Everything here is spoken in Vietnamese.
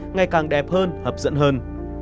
ngay càng đẹp hơn hấp dẫn hơn